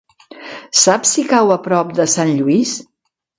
Saps si cau a prop de Sant Lluís?